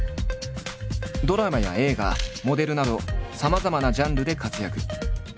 ドラマや映画モデルなどさまざまなジャンルで活躍。